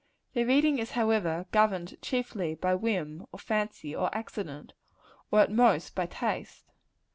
Their reading is, however, governed chiefly by whim, or fancy, or accident or at most, by taste.